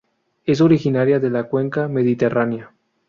Es originaria de la cuenca mediterránea.